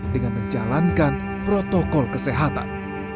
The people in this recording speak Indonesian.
dengan menjalankan protokol kesehatan